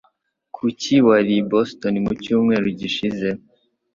Kuki wari i Boston mu cyumweru gishize?